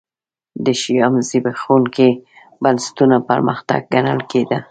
د شیام زبېښونکي بنسټونه پرمختګ ګڼل کېده.